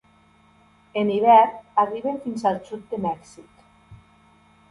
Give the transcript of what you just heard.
En hivern arriben fins al sud de Mèxic.